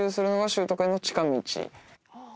「習得への近道」はあ